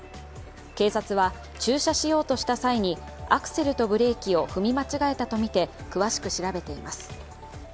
警察は、駐車しようとした際に、アクセルとブレーキを踏み間違えたとみて詳しく調べています。